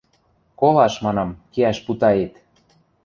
Колаш, манам, кеӓш путает!